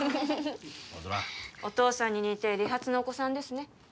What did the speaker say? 青空お父さんに似て利発なお子さんですね